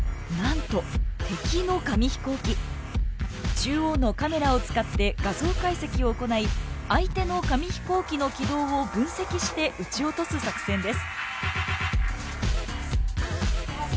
中央のカメラを使って画像解析を行い相手の紙飛行機の軌道を分析して打ち落とす作戦です。